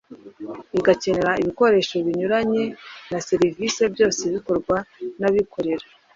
igakenera ibikoresho binyuranye na serivisi byose bikorwa n’abikorera